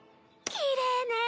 きれいね。